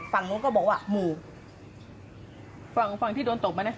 ฝั่งนู้นก็บอกว่าหมู่ฝั่งฝั่งที่โดนตบมานะ